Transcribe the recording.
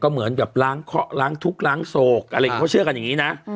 เหมือนแบบล้างเคาะล้างทุกข์ล้างโศกอะไรอย่างนี้เขาเชื่อกันอย่างนี้นะ